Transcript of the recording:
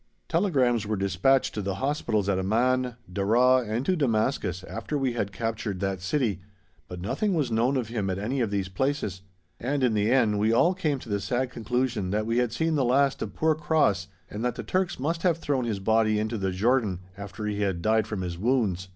Telegrams were dispatched to the hospitals at Amman, Deraa, and to Damascus after we had captured that city, but nothing was known of him at any of these places, and in the end we all came to the sad conclusion that we had seen the last of poor Cross and that the Turks must have thrown his body into the Jordan after he had died from his wounds.